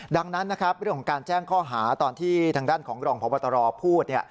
ดังนั้นนะครับเรื่องของการแจ้งข้อหาตอนที่ทางด้านของรองพบตรพูด